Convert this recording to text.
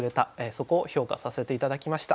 そこを評価させて頂きました。